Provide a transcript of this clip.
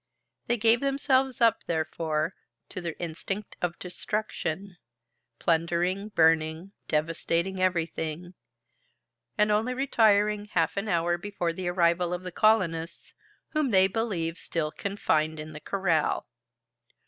They gave themselves up, therefore, to their instinct of destruction, plundering, burning, devastating everything, and only retiring half an hour before the arrival of the colonists, whom they believed still confined in the corral.